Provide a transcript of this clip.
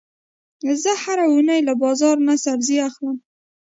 زه هره اونۍ له بازار نه سبزي اخلم.